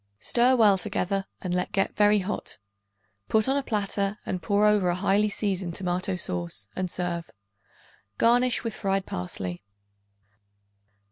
Stir well together and let get very hot. Put on a platter and pour over a highly seasoned tomato sauce and serve. Garnish with fried parsley.